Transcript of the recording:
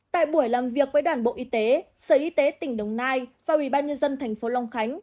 tại buổi làm việc với đoàn bộ y tế sở y tế tp hcm và ubnd tp hcm